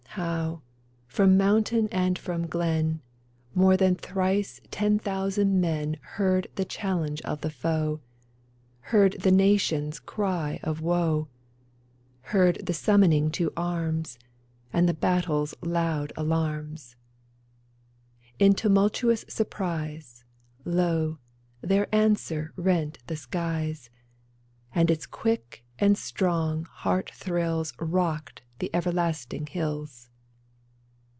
How, from mountain and from glen, More than thrice ten thousand men Heard the challenge of the foe. Heard the nation's cry of woe. Heard the summoning to arms, And the battle's loud alarms ! In tumultuous surprise, Lo, their answer rent the skies ; And its quick and strong heart thrills Rocked the everlasting hills